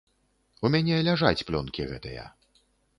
У мяне ляжаць плёнкі гэтыя.